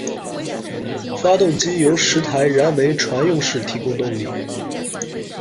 发动机由十台燃煤船用式提供动力。